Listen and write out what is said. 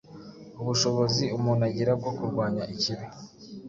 Ubushobozi umuntu agira bwo kurwanya ikibi